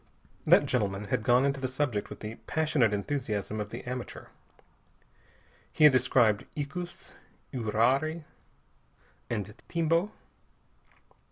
That gentleman had gone into the subject with the passionate enthusiasm of the amateur. He had described icus, uirari and timbo.